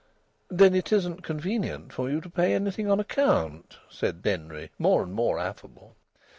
"Then it isn't convenient for you to pay anything on account?" said Denry, more and more affable.